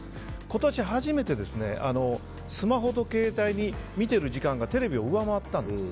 今年初めてスマホと携帯を見ている時間がテレビを上回ったんです。